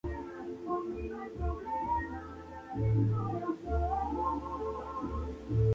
Francia, esperó que este nuevo frente arrastre las fuerzas británicas hasta Portugal.